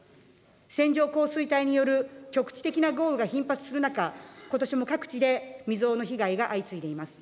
線状降水帯による局地的な豪雨が頻発する中、ことしも各地で未曽有の被害が相次いでいます。